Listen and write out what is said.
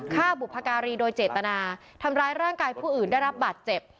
บุพการีโดยเจตนาทำร้ายร่างกายผู้อื่นได้รับบาดเจ็บ